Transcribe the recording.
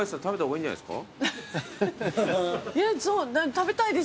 食べたいです。